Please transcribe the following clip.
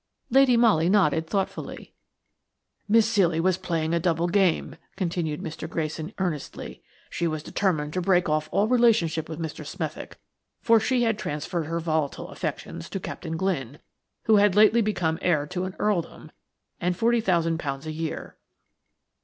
Lady Molly nodded thoughtfully. "Miss Ceely was playing a double game," continued Mr. Grayson, earnestly. "She was determined to break off all relationship with Mr. Smethick, for she had transferred her volatile affections to Captain Glynne, who had lately become heir to an earldom and £40,000 a year.